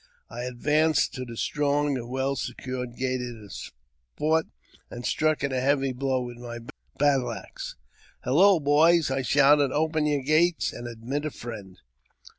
I advanced to the strong and well secured gate of the fort, and struck it a heavy blow with my battle axe. •'Halloo, boys !" I shouted; *' open your gate, and admit a friend.